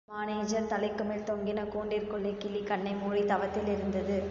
Manager தலைக்குமேல் தொங்கின கூண்டிற்குள்ளே கிளி கண்ணை மூடி தவத்தில் இருந்தது.